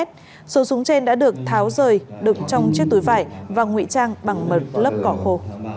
trên đã được tháo rời đựng trong chiếc túi vải và ngụy trang bằng một lớp cỏ khô